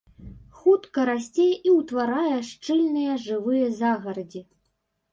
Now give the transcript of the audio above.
Хутка расце і ўтварае шчыльныя жывыя загарадзі.